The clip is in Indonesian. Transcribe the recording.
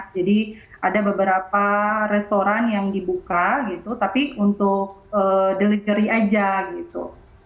ada beberapa restoran yang dibuka gitu tapi untuk delitary aja gitu